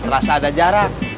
rasa ada jarak